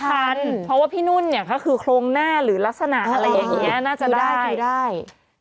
ทันเพราะว่าพี่นุ่นเนี่ยก็คือโครงหน้าหรือลักษณะอะไรอย่างนี้น่าจะได้